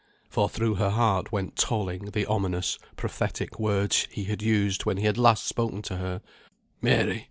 For through her heart went tolling the ominous, prophetic words he had used when he had last spoken to her "Mary!